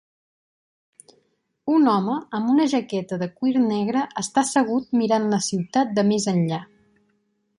Un home amb una jaqueta de cuir negre està assegut mirant la ciutat de més enllà.